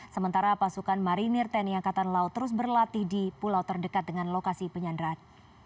sementara pasukan marinir tni angkatan laut terus berlatih di pulau terdekat dengan lokasi penyanderaan